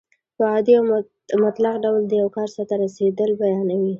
په عادي او مطلق ډول د یو کار سرته رسېدل بیانیوي.